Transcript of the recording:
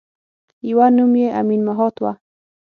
یوه نوم یې امین مهات وه.